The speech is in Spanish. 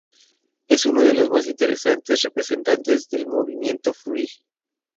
Es uno de los más interesantes representantes del movimiento "free".